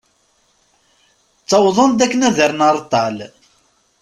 Ttawwḍen-d akken ad rren areṭṭal.